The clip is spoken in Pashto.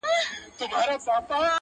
او ستاسې په وینا ستاسې هیڅ امر